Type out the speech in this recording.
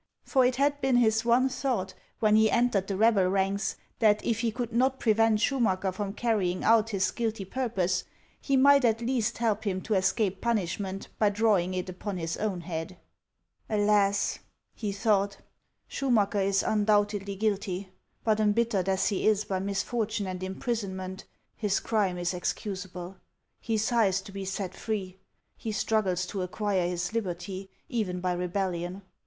For it had been his one thought, when he entered the rebel ranks, that if he could not pre vent Schumacker from carrying out his guilty purpose, he might at least help him to escape punishment by drawing it upon his own head. 458 HANS OF ICELAND " Alas !" he thought, " Schuniacker is undoubtedly guilty ; but embittered as he is by misfortune and im prisonment, his crime is excusable. He sighs to be set free ; he struggles to acquire his liberty, even by rebellion.